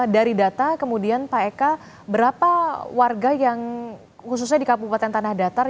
dari data kemudian pak eka berapa warga yang khususnya di kabupaten tanah datar